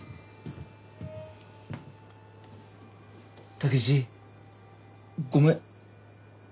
武志ごめん。